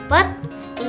pasti aku akan ke sana